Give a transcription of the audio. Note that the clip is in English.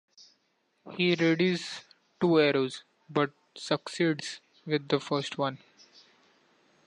He readies two arrows, but succeeds with the first one.